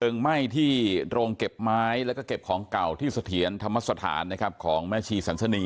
เติงไหม้ที่โรงเก็บไม้และเก็บของเก่าที่สเถียนธรรมสถานของแม่ชีสันสนี